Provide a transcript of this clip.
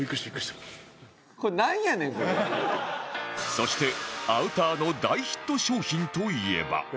そしてアウターの大ヒット商品といえば